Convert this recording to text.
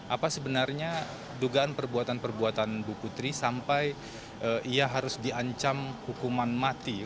apa sebenarnya dugaan perbuatan perbuatan bu putri sampai ia harus diancam hukuman mati